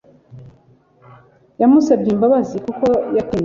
Imyitozo ngororamubiri itagabanije itera umuvuduko w'amaraso.